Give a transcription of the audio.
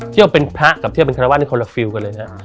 เที่ยวเป็นพระกับเที่ยวเป็นคารวาสนี่คนละฟิลกันเลยนะ